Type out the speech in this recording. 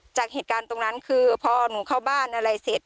จากเหตุการณ์ตรงนั้นคือพอหนูเข้าบ้านอะไรเสร็จ